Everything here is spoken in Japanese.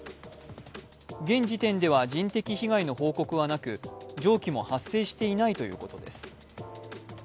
現時点では人的被害の報告はなく、蒸気も発生していないということです。